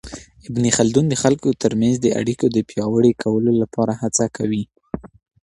ابن خلدون د خلګو ترمنځ د اړیکو د پياوړي کولو لپاره هڅه کوي.